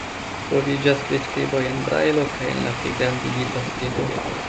Troviĝas priskriboj en brajlo kaj en pligrandigita skribo.